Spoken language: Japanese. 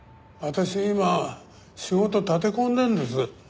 私今仕事立て込んでるんです。